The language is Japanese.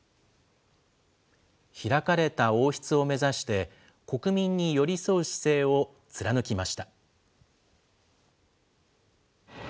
開かれた王室を目指して、国民に寄り添う姿勢を貫きました。